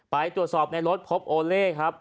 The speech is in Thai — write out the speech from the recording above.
ไปตรวจสอบในรถพบโอเล่ครับ